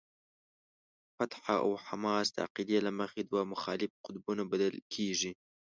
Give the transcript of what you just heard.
فتح او حماس د عقیدې له مخې دوه مخالف قطبونه بلل کېږي.